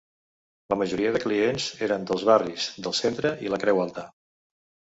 La majoria de clients eren dels barris del Centre i la Creu Alta.